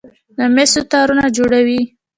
د مسو تارونه جوړوي.